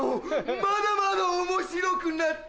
まだまだ面白くなってくる。